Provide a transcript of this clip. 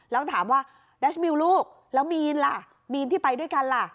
แล้วถามว่าดัชมิวลูกแล้วมีนล่ะมีนที่ไปด้วยกันล่ะ